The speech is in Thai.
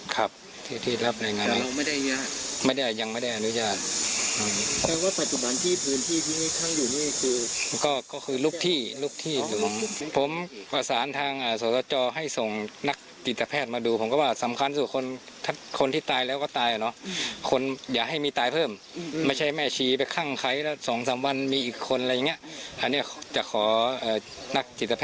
แค่ว่าปัจจุบันที่พื้นที่ทีนี่ค่ะก็คือลูกที่